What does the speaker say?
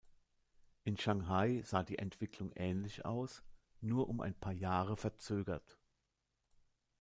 In Shanghai sah die Entwicklung ähnlich aus, nur um ein paar Jahre verzögert.